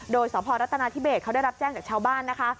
โดยสพรัฐนาธิเบสเขาได้รับแจ้งจากชาวบ้านนะคะ